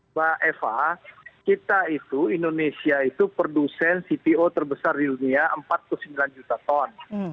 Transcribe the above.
mbak eva kita itu indonesia itu produsen cpo terbesar di dunia empat puluh sembilan juta ton